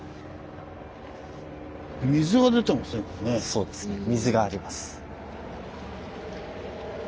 そうですね水が出ます。